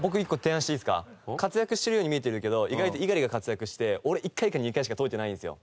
活躍してるように見えてるけど意外と猪狩が活躍して俺１回か２回しか解いてないんですよ。